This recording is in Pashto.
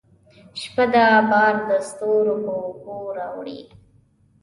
شپه ده بار دستورو په اوږو راوړي